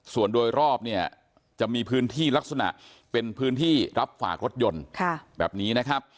ส่วนโดยรอบเนี่ยจะมีพื้นที่ลักษณะเป็นพื้นที่รับฝากรถยนต์แบบนี้นะครับ